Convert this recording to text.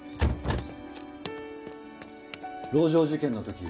籠城事件の時